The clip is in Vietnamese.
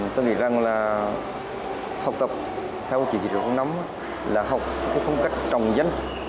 tôi nghĩ rằng là học tập theo chỉ trị đội quốc năm là học cái phong cách trồng dân